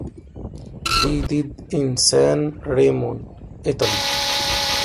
He died in San Remo, Italy.